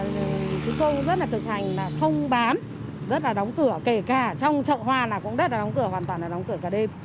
là chúng tôi rất là thực hành không bám rất là đóng cửa kể cả trong chợ hoa là cũng rất là đóng cửa hoàn toàn là đóng cửa cả đêm